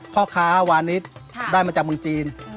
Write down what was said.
พ่อค้าวานิสได้มาจากเมืองจีน